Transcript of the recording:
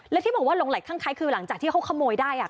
และที่บอกว่าหลงไหลข้างคือหลังจากที่เขาขโมยได้อ่ะ